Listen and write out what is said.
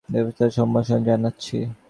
দেবতারাজ্যে তোমাকে সাদর সম্ভাষণ জানাচ্ছি।